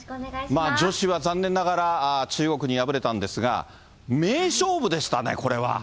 残念ながら、女子は中国に敗れたんですが、名勝負でしたね、これは。